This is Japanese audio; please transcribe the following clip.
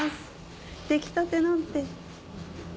出来たてなんて。